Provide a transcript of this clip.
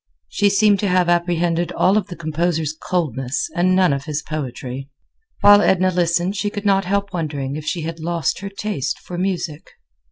She seemed to have apprehended all of the composer's coldness and none of his poetry. While Edna listened she could not help wondering if she had lost her taste for music.